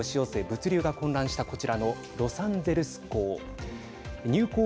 物流が混乱したこちらのロサンゼルス港。